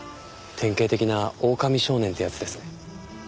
典型的なオオカミ少年ってやつですね。